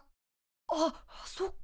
あっそっか。